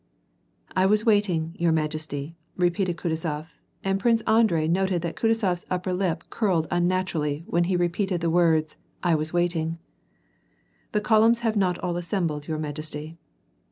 " I was waiting, your majesty," repeated Kutuzof, and Prince Andrei noticed thai^ Kutuzof s upper lip curled unnaturally when he repeated the words, " I was waiting." " The columns have not all assembled, your majesty."